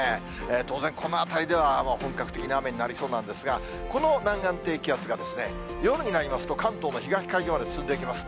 当然、この辺りでは本格的な雨になりそうなんですが、この南岸低気圧が、夜になりますと、関東の東海上まで進んできます。